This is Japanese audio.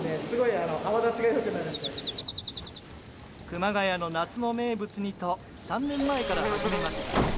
熊谷の夏の名物にと３年前から始めました。